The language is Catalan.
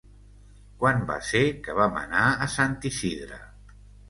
Quan va ser que vam anar a Sant Isidre?